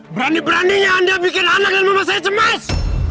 berani beraninya anda pikir anak dan mama saya cemas